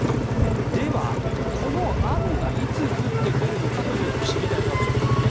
では、この雨がいつ降ってくるのかを知りたいわけですよね。